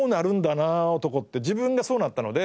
自分がそうなったので。